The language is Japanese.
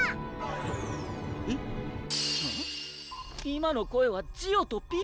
今の声はジオとピピ！